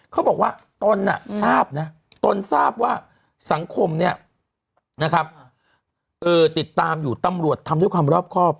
เขาบอกว่าตนทราบว่าสังคมติดตามอยู่ตำรวจทำด้วยความรอบครอบ